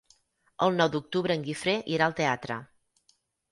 El nou d'octubre en Guifré irà al teatre.